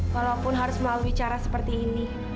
walaupun harus melalui cara seperti ini